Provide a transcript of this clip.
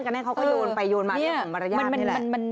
ก็โยนไปโยนมาเรื่องของมารยาทนี่แหละ